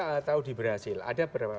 atau di brazil ada berapa